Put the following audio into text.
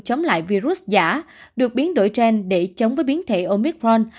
chống lại virus giả được biến đổi gen để chống với biến thể omicron